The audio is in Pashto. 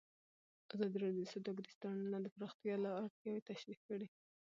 ازادي راډیو د سوداګریز تړونونه د پراختیا اړتیاوې تشریح کړي.